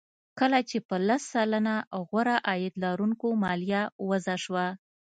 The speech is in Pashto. کله چې په لس سلنه غوره عاید لرونکو مالیه وضع شوه